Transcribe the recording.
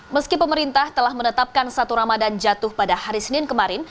meski pemerintah telah menetapkan satu ramadan jatuh pada hari senin kemarin